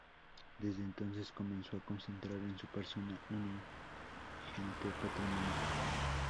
Desde entonces comenzó a concentrar en su persona un ingente patrimonio.